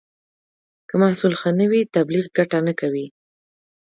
که محصول ښه نه وي، تبلیغ ګټه نه کوي.